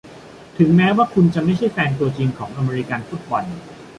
ถึงแม้ว่าคุณจะไม่ใช่แฟนตัวจริงของอเมริกันฟุตบอล